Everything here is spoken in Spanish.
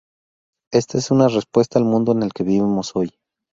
Esta es una respuesta al mundo en el que vivimos hoy.